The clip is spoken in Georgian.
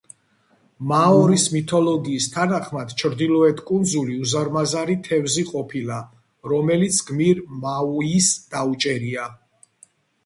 მაორის მითოლოგიის თანახმად, ჩრდილოეთ კუნძული უზარმაზარი თევზი ყოფილა, რომელიც გმირ მაუის დაუჭერია.